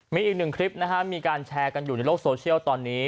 มีอีกหนึ่งคลิปนะฮะมีการแชร์กันอยู่ในโลกโซเชียลตอนนี้